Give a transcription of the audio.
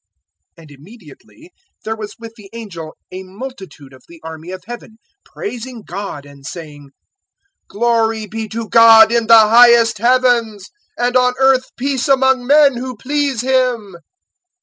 002:013 And immediately there was with the angel a multitude of the army of Heaven praising God and saying, 002:014 "Glory be to God in the highest Heavens, And on earth peace among men who please Him!"